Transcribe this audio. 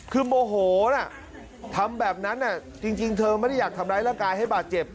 คือโมโหนะทำแบบนั้นจริงเธอไม่ได้อยากทำร้ายร่างกายให้บาดเจ็บ